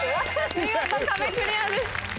見事壁クリアです。